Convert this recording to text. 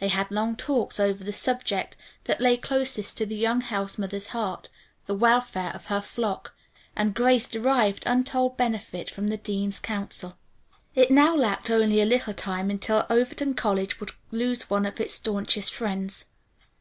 They had long talks over the subject that lay closest to the young house mother's heart, the welfare of her flock, and Grace derived untold benefit from the dean's counsel. It now lacked only a little time until Overton College would lose one of its staunchest friends.